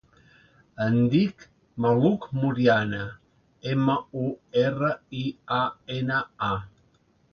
Em dic Malak Muriana: ema, u, erra, i, a, ena, a.